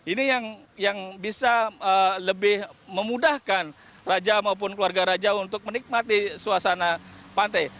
ini yang bisa lebih memudahkan raja maupun keluarga raja untuk menikmati suasana pantai